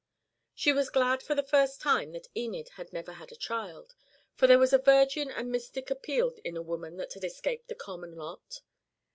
She was glad for the first time that Enid had never had a child, for there was a virgin and mystic appeal in the woman that had escaped the common lot.